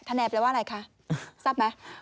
ธนแหนเป็นว่าอะไรคะทราบไหม